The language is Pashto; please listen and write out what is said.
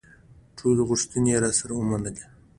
ټولې غوښتنې یې راسره ومنلې.